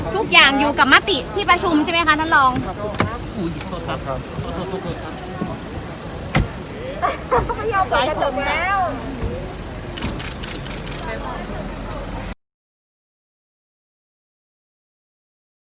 ทุกอย่างอยู่กับมติที่ประชุมใช่ไหมคะท่านรองครับ